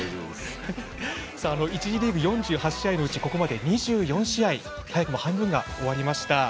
さあ、１次リーグ４８試合のうちここまで２４試合が早くも半分が終わりました。